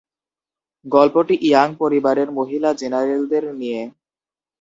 গল্পটি ইয়াং পরিবারের মহিলা জেনারেলদের নিয়ে।